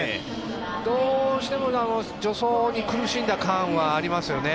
どうしても助走に苦しんだ感はありますよね。